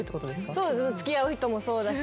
そうです付き合う人もそうだし